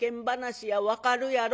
分かるやろ。